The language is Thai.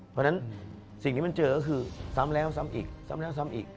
เพราะฉะนั้นสิ่งที่มันเจอก็คือซ้ำแล้วซ้ำอีกซ้ำแล้วซ้ำอีก